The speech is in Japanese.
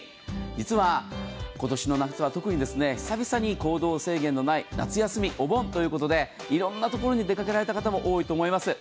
実は、今年の夏は特に久々に行動制限のない夏休み、お盆ということでいろんなところに出かけられた方も多いと思います。